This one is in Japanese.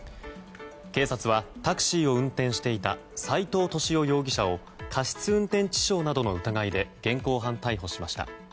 警察はタクシーを運転していた斉藤敏夫容疑者を過失運転致傷などの疑いで現行犯逮捕しました。